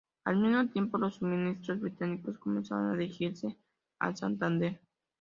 Al mismo tiempo los suministros británicos comenzaron a dirigirse a Santander.